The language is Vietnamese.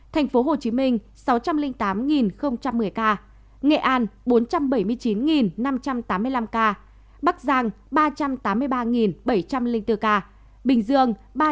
thành phố hồ chí minh sáu trăm linh tám một mươi ca nghệ an bốn trăm bảy mươi chín năm trăm tám mươi năm ca bắc giang ba trăm tám mươi ba bảy trăm linh bốn ca bình dương ba trăm tám mươi ba một trăm bốn mươi bốn ca